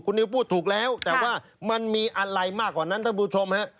นิวพูดถูกแล้วแต่ว่ามันมีอะไรมากกว่านั้นท่านผู้ชมฮะ